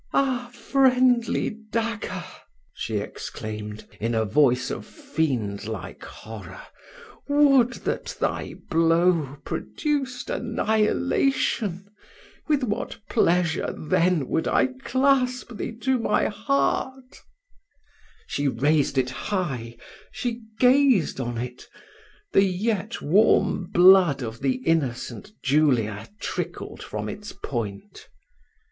"Ah! friendly dagger," she exclaimed, in a voice of fiend like horror, "would that thy blow produced annihilation! with what pleasure then would I clasp thee to my heart!" She raised it high she gazed on it the yet warm blood of the innocent Julia trickled from its point.